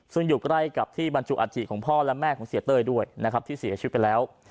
ซึ่งอยู่ใกล้กับที่บรรจุอาธิของพ่อและแม่ของเสียเต้ยด้วยนะครับที่เสียชีวิตไปแล้ว